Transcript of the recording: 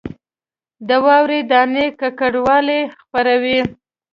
د واورې دانې ککړوالی خپروي